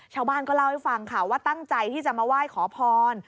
ชาวบ้านก็เล่าให้ฟังค่ะว่าตั้งใจที่จะมาไหว้ขอพร